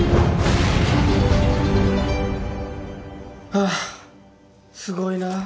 ああすごいなぁ。